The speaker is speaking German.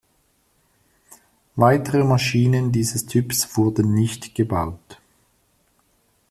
Weitere Maschinen dieses Typs wurden nicht gebaut.